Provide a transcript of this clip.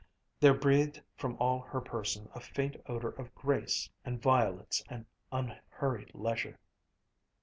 There breathed from all her person a faint odor of grace and violets and unhurried leisure.